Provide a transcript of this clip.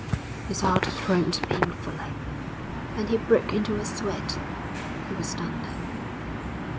His heart throbbed painfully, and he broke into a sweat. It was done then.